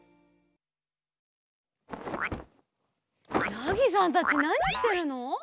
やぎさんたちなにしてるの？